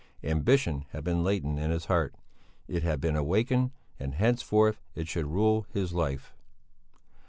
Ambition had been latent in his heart; it had been awakened and henceforth it should rule his life.